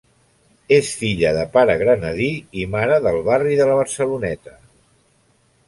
És filla de pare granadí i mare del barri de la Barceloneta.